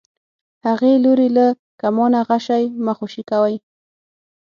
هغې لورې له کمانه غشی مه خوشی کوئ.